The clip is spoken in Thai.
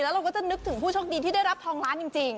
แล้วเราก็จะนึกถึงผู้โชคดีที่ได้รับทองล้านจริง